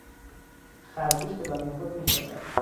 خرگوش به لانهی خود میخزد.